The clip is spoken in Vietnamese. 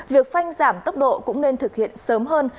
việc phanh giảm tốc độ cũng nên thực hiện sớm hơn